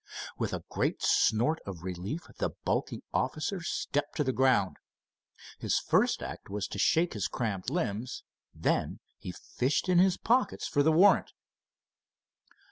With a great snort of relief the bulky officer stepped to the ground. His first act was to shake his cramped limbs. Then he fished in his pockets for the warrant.